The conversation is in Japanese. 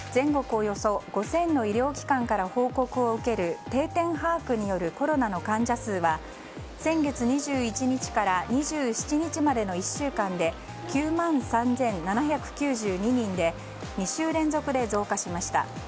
およそ５０００の医療機関から報告を受ける定点把握によるコロナの患者数は先月２１日から２７日までの１週間で９万３７９２人で２週連続で増加しました。